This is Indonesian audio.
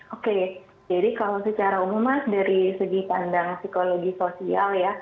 oke jadi kalau secara umum dari segi pandang psikologi sosial